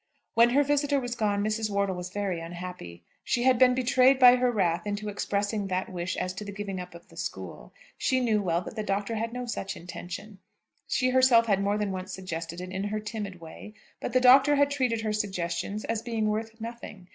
When her visitor was gone Mrs. Wortle was very unhappy. She had been betrayed by her wrath into expressing that wish as to the giving up of the school. She knew well that the Doctor had no such intention. She herself had more than once suggested it in her timid way, but the Doctor had treated her suggestions as being worth nothing.